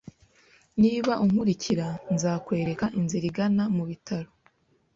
Niba unkurikira, nzakwereka inzira igana mubitaro